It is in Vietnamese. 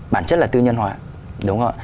bản chất là tư nhân hóa đúng không